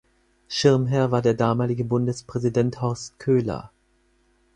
Schirmherr war der damalige Bundespräsident Horst Köhler.